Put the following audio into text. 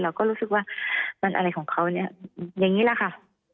เราก็รู้สึกว่ามันอะไรของเขาเนี่ยอย่างนี้แหละค่ะ